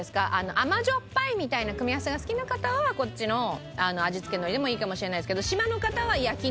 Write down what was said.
甘じょっぱいみたいな組み合わせが好きな方はこっちの味付け海苔でもいいかもしれないですけど。